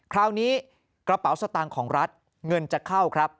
คราวนี้กระเป๋าสตางค์ของรัฐเงินจะเข้าครับ